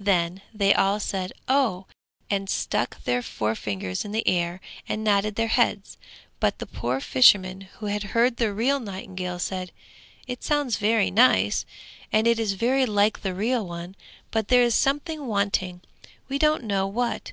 Then they all said 'Oh,' and stuck their forefingers in the air and nodded their heads; but the poor fishermen who had heard the real nightingale said, 'It sounds very nice, and it is very like the real one, but there is something wanting, we don't know what.'